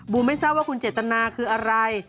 บูมไม่เศร้าว่าคุณเจตนาคืออะไร